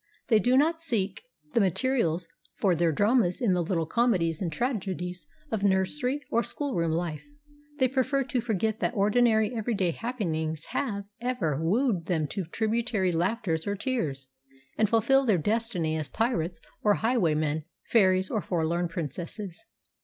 They do not seek the materials for their dramas in the little comedies and tragedies of nursery or school room life ; they prefer to forget that ordinary everyday happenings have ever wooed them to tributary laughters or tears, and fulfil their destiny as pirates or high waymen, fairies or forlorn princesses.